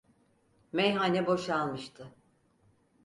Meyhane boşalmıştı.